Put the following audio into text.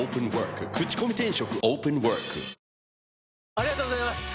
ありがとうございます！